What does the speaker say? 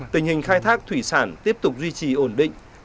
tình hình khai thác thủy sản tiếp tục duy trì ổn định